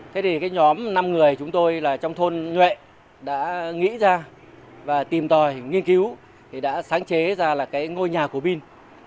thế thì nhóm năm người chúng tôi trong thôn nguyễn đã nghĩ ra và tìm tòi nghiên cứu đã sáng chế ra ngôi nhà cổ pin